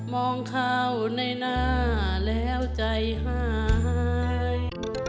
มองเข้าในหน้าแล้วใจหาย